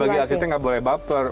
bagi asetnya nggak boleh baper